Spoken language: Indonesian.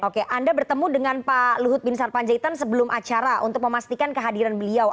oke anda bertemu dengan pak luhut bin sarpanjaitan sebelum acara untuk memastikan kehadiran beliau